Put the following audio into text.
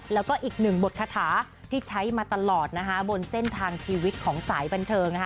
แล้วก็อีกหนึ่งบทคาถาที่ใช้มาตลอดนะคะบนเส้นทางชีวิตของสายบันเทิงนะคะ